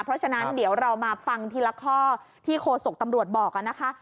เพราะฉะนั้นเดี๋ยวเรามาฟังทีละข้อที่โคศกตำรวจบอกนะคะ